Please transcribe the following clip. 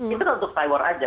itu untuk firewall aja